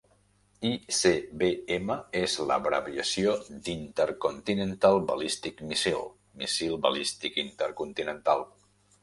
ICBM és l'abreviació d'"intercontinental ballistic missile" (míssil balístic intercontinental).